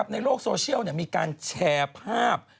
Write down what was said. ในโลกโซเชียลมีการแชร์ภาพ